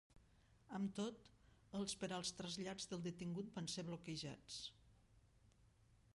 Amb tot, els per als trasllats del detingut van ser bloquejats.